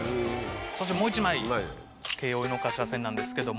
そしてもう１枚京王井の頭線なんですけども。